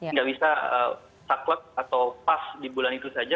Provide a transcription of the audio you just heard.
nggak bisa saklek atau pas di bulan itu saja